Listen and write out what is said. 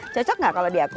cocok gak kalau di aku